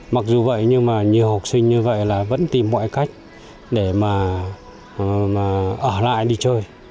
mặc dù vậy nhưng mà nhiều học sinh như vậy là vẫn tìm mọi cách để mà ở lại đi chơi